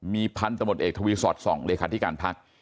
มีพันธุ์ตะหมดเอกทวีสอด๒เลขาธิการพัก